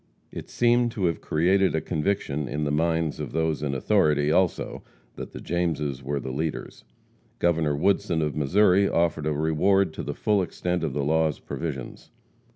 It seemed to have created a conviction in the minds of those in authority, also, that the Jameses were the leaders. Governor Woodson, of Missouri, offered a reward to the full extent of the law's provisions.